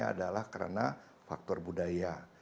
adalah karena faktor budaya